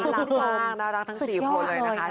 สุดยอดเลยนะคะ